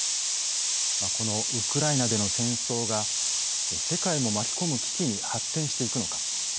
ウクライナでの戦争が世界も巻き込む危機に発展していくのか。